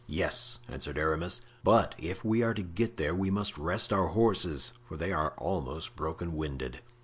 "Yes," answered Aramis, "but if we are to get there we must rest our horses, for they are almost broken winded."